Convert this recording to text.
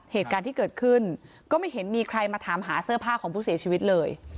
เหตุการณ์ที่เกิดขึ้นก็ไม่เห็นมีใครมาถามหาเสื้อผ้าของผู้เสียชีวิตเลย